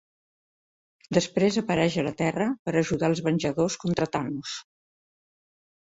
Després apareix a la Terra per ajudar als venjadors contra Thanos.